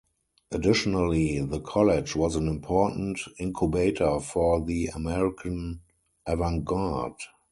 Additionally, the College was an important incubator for the American avant garde.